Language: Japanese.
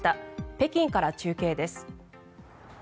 北京から中継です。